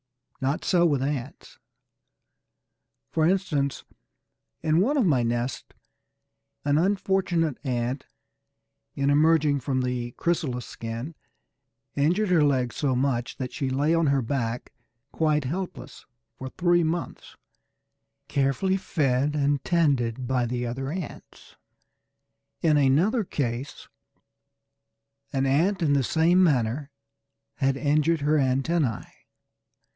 Not so with ants. For instance, in one of my nests an unfortunate ant, in emerging from the chrysalis skin, injured her legs so much that she lay on her back quite helpless. For three months, however, she was carefully fed and tended by the other ants. In another case an ant in the same manner had injured her antennae.